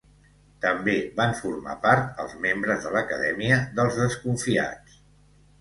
També van formar part els membres de l'Acadèmia dels Desconfiats.